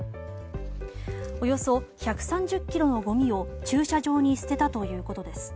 およそ１３０ｋｇのごみを駐車場に捨てたということです。